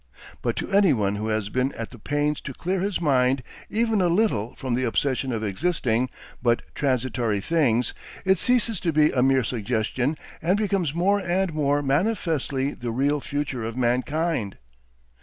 But to anyone who has been at the pains to clear his mind even a little from the obsession of existing but transitory things, it ceases to be a mere suggestion and becomes more and more manifestly the real future of mankind.